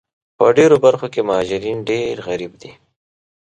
په ډېرو برخو کې مهاجرین ډېر غریب دي